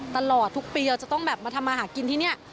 ตลอดทุกปีเราจะต้องแบบมาทำมาหากินที่นี่